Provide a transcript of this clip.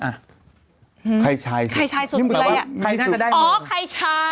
ลิคไอ้ชายไอ้สุดใคร